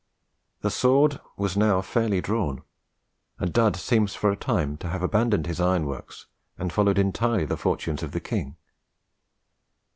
The sword was now fairly drawn, and Dud seems for a time to have abandoned his iron works and followed entirely the fortunes of the king.